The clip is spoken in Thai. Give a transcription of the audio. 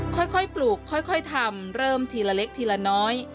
ค่อยปลูกค่อยทำเริ่มทีละเล็กทีละน้อย